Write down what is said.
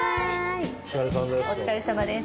お疲れさまです。